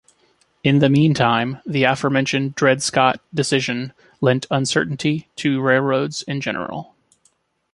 In the meantime, the aforementioned Dred Scott decision lent uncertainty to railroads in general.